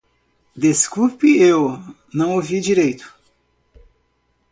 Desculpe - eu não ouvi direito.